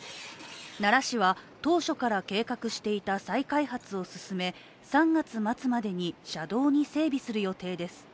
奈良市は当初から計画していた再開発を進め３月末までに車道に整備する予定です。